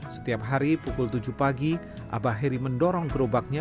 setiap hari pukul tujuh pagi abah heri mendorong gerobaknya